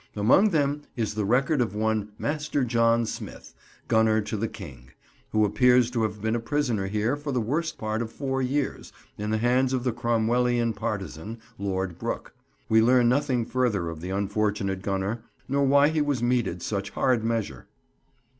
Among them is the record of one "Master John Smyth, gunner to the King," who appears to have been a prisoner here for the worse part of four years, in the hands of the Cromwellian partisan, Lord Brooke. We learn nothing further of the unfortunate gunner, nor why he was meted such hard measure.